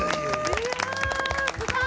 いやすごい。